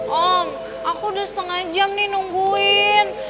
om aku udah setengah jam nih nungguin